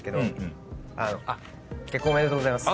結婚おめでとうございます。